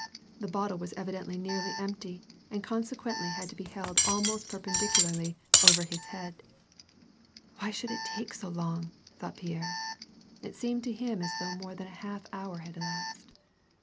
The bottle was evidently nearly empty and conse quently had to be held almost perpendicularly over his head. " Why should it take so long ?" thought Pierre. It seemed to him as though more than a half hour had elapsed.